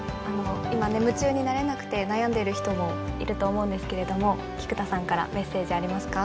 今夢中になれなくて悩んでいる人もいると思うんですけれども菊田さんからメッセージありますか？